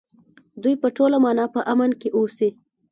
دوی په ټوله مانا په امن کې اوسي.